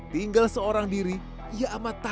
tinggal seorang diri ia amat tahu